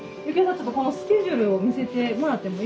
ちょっとこのスケジュールを見せてもらってもよい？